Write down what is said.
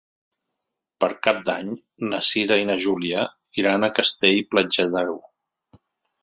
Per Cap d'Any na Cira i na Júlia iran a Castell-Platja d'Aro.